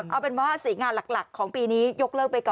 เอาเป็นว่า๔งานหลักของปีนี้ยกเลิกไปก่อน